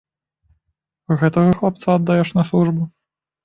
Гэтага хлапца аддаеш на службу?